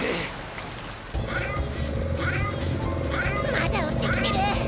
まだおってきてる！